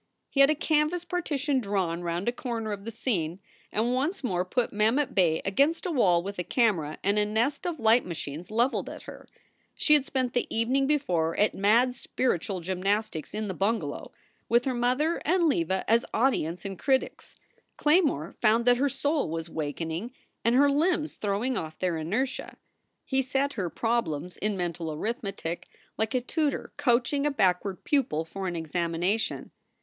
He had a canvas partition drawn round a corner of the scene and once more put Mem at bay against a wall with a camera and a nest of light machines leveled at her. She had spent the evening before at mad spiritual gym nastics in the bungalow, with her mother and Leva as audi ence and critics. Claymore found that her soul was waken ing and her limbs throwing off their inertia. He set her problems in mental arithmetic like a tutor coaching a back ward pupil for an examination.